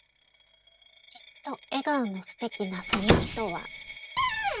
きっと笑顔の素敵なその人は、